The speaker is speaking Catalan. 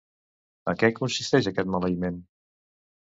En què consisteix aquest maleïment?